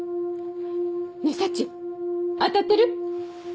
ねえサチ当たってる？